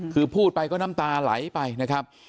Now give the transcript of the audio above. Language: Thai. คือพูดไปก็น้ำตาไหลไปนะครับ